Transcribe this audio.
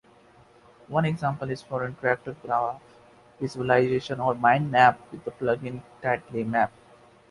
One example is for interactive graph visualization or mind-maps with the plugin TiddlyMap.